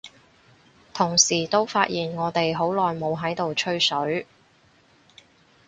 同時都發現我哋好耐冇喺度吹水，